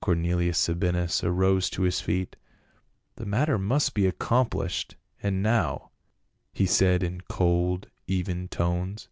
Cornelius Sabinus arose to his feet. "The matter must be accomplished, and now," he said in cold even tones.